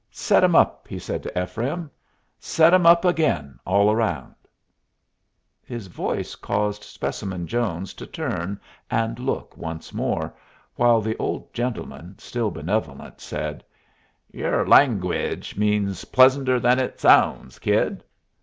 "Set 'em up," he said to Ephraim. "Set 'em up again all round." His voice caused Specimen Jones to turn and look once more, while the old gentleman, still benevolent, said, "Yer langwidge means pleasanter than it sounds, kid."